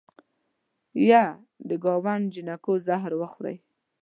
یه د ګاونډ جینکو زهر وخورئ